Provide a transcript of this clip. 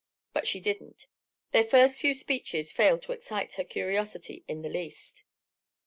But she didn't; their first few speeches failed to excite her curiosity in the least.